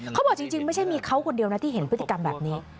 เขาบอกจริงไม่ใช่มีเขาคนเดียวนะที่เห็นพฤติกรรมแบบนี้